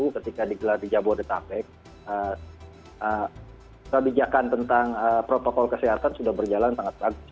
ketika di jawa detakpek kebijakan tentang protokol kesehatan sudah berjalan sangat bagus